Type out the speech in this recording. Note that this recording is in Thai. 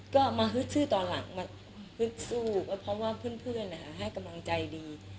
ก็มาฮึดซึต่อหลังมาฮึดซูบเพราะว่าเพื่อนแทนกำลังใจดี